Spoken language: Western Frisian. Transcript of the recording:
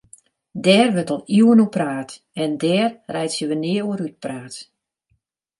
Dêr wurdt al iuwen oer praat en dêr reitsje we nea oer útpraat.